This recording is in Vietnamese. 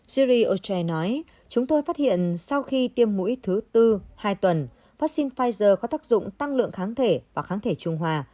syri ochai nói chúng tôi phát hiện sau khi tiêm mũi thứ bốn hai tuần vaccine pfizer có tác dụng tăng lượng kháng thể và kháng thể trung hòa